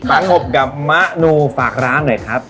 สงบกับมะนูฝากร้านหน่อยครับ